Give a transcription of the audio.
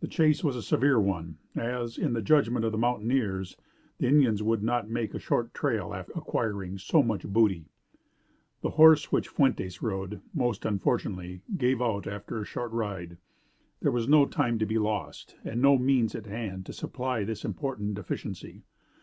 The chase was a severe one, as, in the judgment of the mountaineers, the Indians would not make a short trail after acquiring so much booty. The horse which Fuentes rode, most unfortunately, gave out after a short ride. There was no time to be lost and no means at hand to supply this important deficiency.